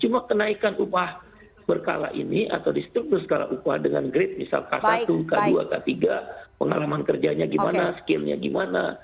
cuma kenaikan upah berkala ini atau di struktur skala upah dengan grade misal k satu k dua k tiga pengalaman kerjanya gimana skillnya gimana